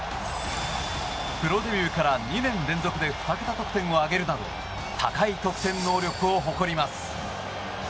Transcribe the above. プロデビューから２年連続で２桁得点を挙げるなど高い得点能力を誇ります。